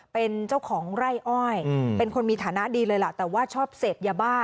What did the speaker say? เป็นเจ้าของไร่อ้อยเป็นคนมีฐานะดีเลยล่ะแต่ว่าชอบเสพยาบ้า